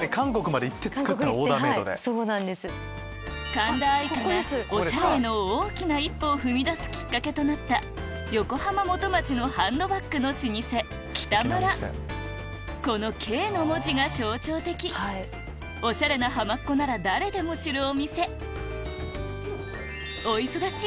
神田愛花がおしゃれの大きな一歩を踏み出すきっかけとなったこのＫの文字が象徴的おしゃれなハマっ子なら誰でも知るお店